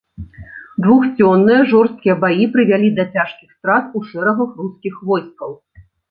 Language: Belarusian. Двухдзённыя жорсткія баі прывялі да цяжкіх страт у шэрагах рускіх войскаў.